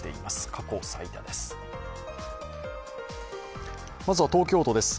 過去最多です。